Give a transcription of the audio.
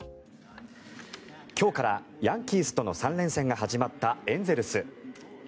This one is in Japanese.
今日からヤンキースとの３連戦が始まったエンゼルス。